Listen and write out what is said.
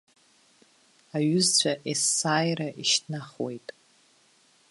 Аҩызцәа есааира ишьҭнахуеит.